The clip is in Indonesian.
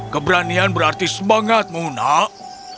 keberanian berarti semangatmu nak